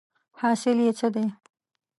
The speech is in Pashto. حاصل یې څه دی ؟